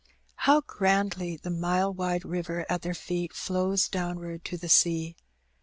How grandly the mile wide river at their feet flows downward to the sea